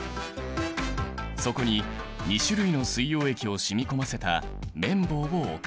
そこに２種類の水溶液を染み込ませた綿棒を置く。